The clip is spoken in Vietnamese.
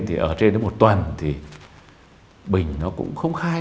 thì ở trên đến một tuần thì bình nó cũng không khai